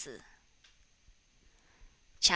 CHAP.